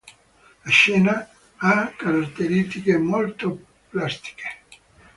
La scena ha caratteristiche molto plastiche.